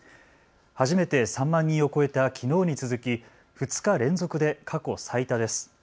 初めて３万人を超えたきのうに続き２日連続で過去最多です。